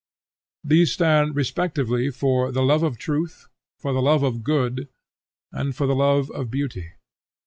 These stand respectively for the love of truth, for the love of good, and for the love of beauty.